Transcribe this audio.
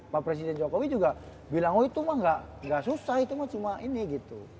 pak presiden jokowi juga bilang oh itu mah gak susah itu mah cuma ini gitu